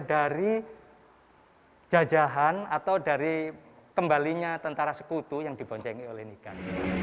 dari jajahan atau dari kembalinya tentara sekutu yang diboncengi oleh nigan